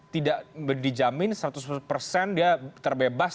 tidak dijamin seratus persen dia terbebas